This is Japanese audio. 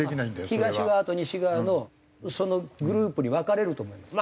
東側と西側のそのグループに分かれると思います。